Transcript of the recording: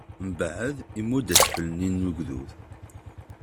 Mbeɛd, imudd asfel-nni n ugdud.